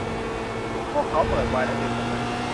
พวกเขาเปิดขวดไวน์และดื่มอย่างหนัก